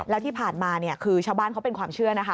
แล้วที่ผ่านมาคือชาวบ้านเขาเป็นความเชื่อนะคะ